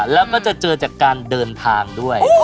แล้วก็จะเจอจากการเดินทางด้วย